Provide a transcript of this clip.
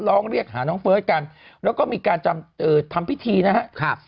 ร้องเรียกหาน้องเฟิร์สกันแล้วก็มีการทำพิธีนะครับ